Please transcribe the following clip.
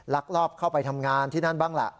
ลักลอบเข้าไปทำงานที่นั่นบ้างล่ะ